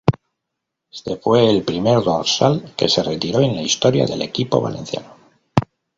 Este fue el primer dorsal que se retiró en la historia del equipo valenciano.